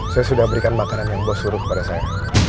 saya sudah berikan makanan yang gue suruh kepada saya